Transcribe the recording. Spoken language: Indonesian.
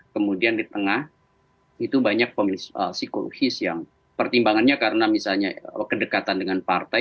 kemudian di tengah itu banyak pemilih psikologis yang pertimbangannya karena misalnya kedekatan dengan partai